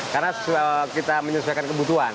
karena kita menyelesaikan kebutuhan